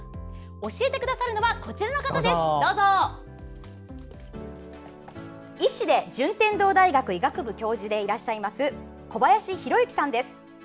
教えてくださるのは医師で順天堂大学医学部教授でいらっしゃいます小林弘幸さんです。